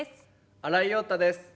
新井庸太です。